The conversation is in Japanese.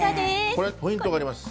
これ、ポイントがあります。